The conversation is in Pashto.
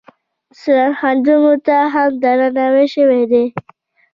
سرښندنو ته هم درناوی شوی دی.